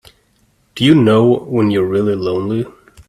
Do you know when you're really lonely?